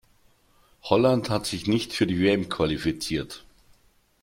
Holland hat sich nicht für die WM qualifiziert.